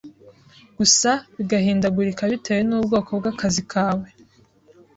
gusa bigahindagurika bitewe n’ubwoko bw’akazi kawe.